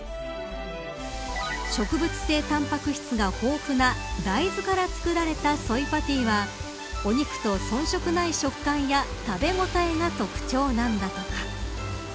植物性タンパク質が豊富な大豆から作られたＳＯＹパティはお肉と遜色ない食感や食べ応えが特徴なんだとか。